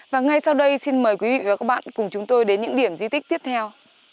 và ngay sau đây xin mời quý vị và các bạn cùng chúng tôi đến những điểm di tích tiếp theo